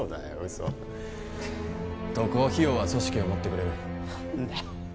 嘘渡航費用は組織が持ってくれる何だよ